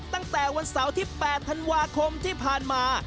ตั้งแต่วันเสาร์ที่๘ธันวาคมที่ผ่านมา